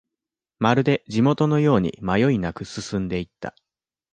まるで地元のように迷いなく進んでいった